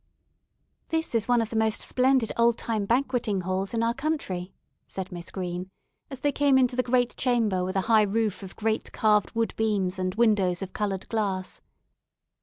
"This is one of the most splendid old time 'banqueting halls' in our country," said Miss Green, as they came into the great chamber with a high roof of great carved wood beams and windows of coloured glass.